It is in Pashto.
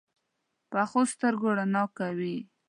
پخو سترګو رڼا وي